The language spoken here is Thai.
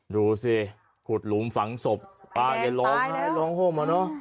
ดูสิขุดหลุมฝังศพป้าแกร้องไห้ร้องห่มอ่ะเนอะ